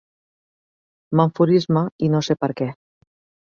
M'enfurisma, i no sé per què.